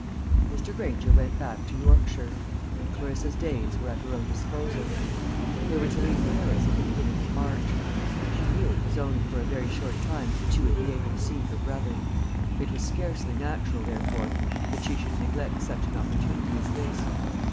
Mr. Granger went back to Yorkshire; and Clarissa's days were at her own disposal. They were to leave Paris at the beginning of March. She knew it was only for a very short time that she would be able to see her brother. It was scarcely natural, therefore, that she should neglect such an opportunity as this.